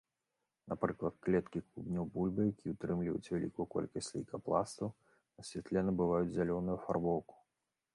Напрыклад, клеткі клубняў бульбы, якія ўтрымліваюць вялікую колькасць лейкапластаў, на святле набываюць зялёную афарбоўку.